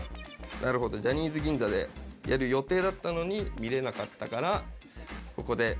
なるほど「ジャニーズ銀座」でやる予定だったのに見れなかったからここで見たいということですね。